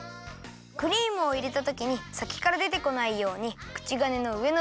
クリームをいれたときにさきからでてこないようにくちがねのうえのぶぶんをねじって。